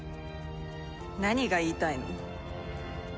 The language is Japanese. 何が言いたいの？